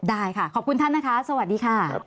ได้ค่ะขอบคุณท่านนะคะสวัสดีค่ะ